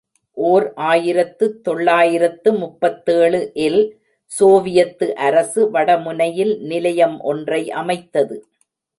ஓர் ஆயிரத்து தொள்ளாயிரத்து முப்பத்தேழு இல் சோவியத்து அரசு வடமுனையில் நிலையம் ஒன்றை அமைத்தது.